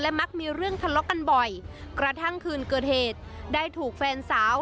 มักมีเรื่องทะเลาะกันบ่อยกระทั่งคืนเกิดเหตุได้ถูกแฟนสาว